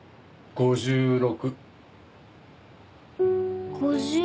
５６。